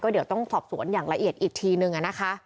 เดี๋ยวต้องสอบสวนอย่างละเอียดอีกทีนึงนะคะ